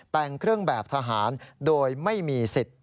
แต่งเครื่องแบบทหารโดยไม่มีสิทธิ์